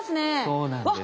そうなんです。